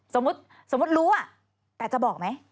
สมมุติรู้แต่จะบอกไหม